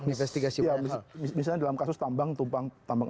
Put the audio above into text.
investigasi misalnya dalam kasus tambang tambang